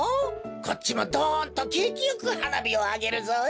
こっちもドンとけいきよくはなびをあげるぞ！